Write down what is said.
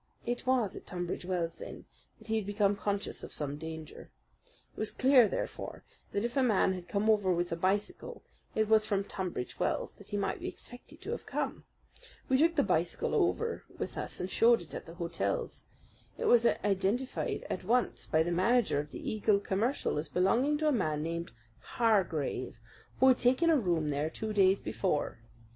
It was at Tunbridge Wells then that he had become conscious of some danger. It was clear, therefore, that if a man had come over with a bicycle it was from Tunbridge Wells that he might be expected to have come. We took the bicycle over with us and showed it at the hotels. It was identified at once by the manager of the Eagle Commercial as belonging to a man named Hargrave, who had taken a room there two days before.